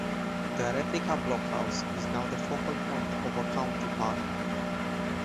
The replica blockhouse is now the focal point of a county park.